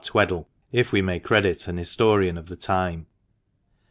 Tweddle, if we may credit an historian of the time.